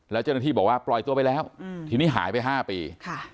แล้วเจ้าหน้าที่บอกว่าปล่อยตัวไปแล้วทีนี้หายไป๕ปี